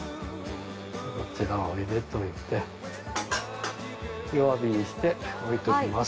こちらを入れといて弱火にして置いときます。